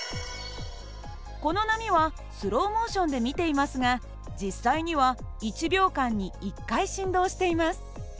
この波はスローモーションで見ていますが実際には１秒間に１回振動しています。